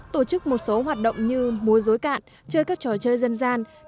tổ chức một số hoạt động như múa dối cạn chơi các trò chơi dân gian